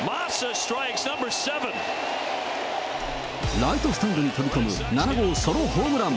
ライトスタンドに飛び込む、７号ソロホームラン。